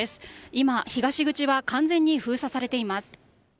今、東口は完全に封鎖されています。